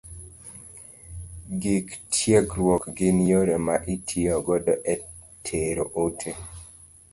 Gik tiegruok gin yore ma itiyo godo e tero ote.